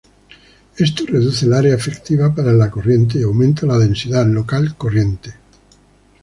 Esto reduce el área efectiva para la corriente y aumenta la densidad local corriente.